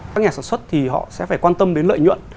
các nhà sản xuất thì họ sẽ phải quan tâm đến lợi nhuận